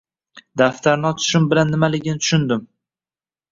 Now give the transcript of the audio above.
Daftarni ochishim bilan nimaligini tushundim